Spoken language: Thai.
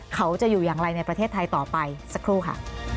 เขาจะอยู่อย่างไรในประเทศไทยต่อไปสักครู่ค่ะ